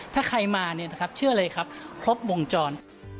ถ้าใครมาเชื่อเลยครับครบวงจร